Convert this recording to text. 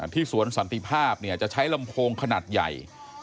ที่สวนสันติภาพเนี่ยจะใช้ลำโพงขนาดใหญ่